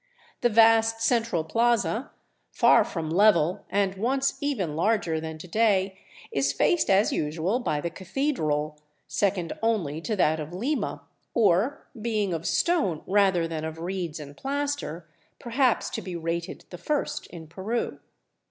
The vast central plaza, far from level and once even larger than to day, is faced as usual by the cathedral, second only to that of Lima, or, being of stone rather than of reeds and plaster, perhaps to be rated the first in Peru.